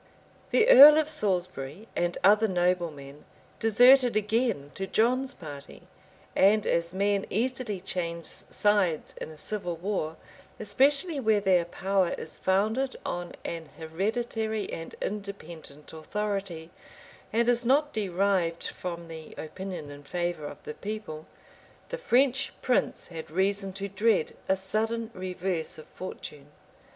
The earl of Salisbury and other noblemen deserted again to John's party; and as men easily change sides in a civil war, especially where their power is founded on an hereditary and independent authority, and is not derived from the opinion and favor of the people, the French prince had reason to dread a sudden reverse of fortune.